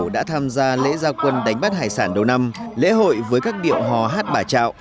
đã tham gia lễ gia quân đánh bắt hải sản đầu năm lễ hội với các điệu hò hát bà trạo